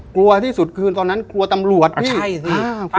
กลัวที่สุดคืนตอนนั้นกลัวตำรวจพี่ใช่สิ